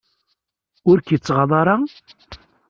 Ur k-ittɣaḍ ara?